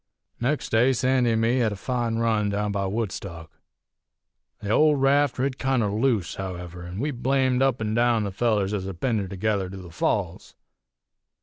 "Nex' day Sandy an' me hed a fine run down by Woodstock. The old raft rid kinder loose, however, an' we blamed up an' down the fellers ez had pinned her together to the Falls.